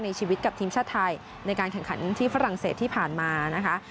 ชีวิตกับทีมชาติไทยในการแข่งขันที่ฝรั่งเศสที่ผ่านมานะคะ